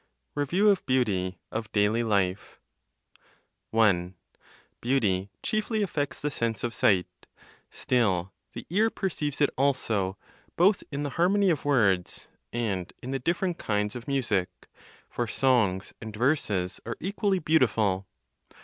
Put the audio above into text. REVIEW OF BEAUTY OF DAILY LIFE. 1. Beauty chiefly affects the sense of sight. Still, the ear perceives it also, both in the harmony of words, and in the different kinds of music; for songs and verses are equally beautiful.